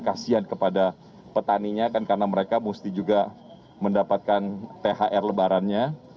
kasian kepada petaninya kan karena mereka mesti juga mendapatkan thr lebarannya